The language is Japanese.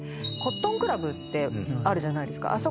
コットンクラブってあるじゃないですか。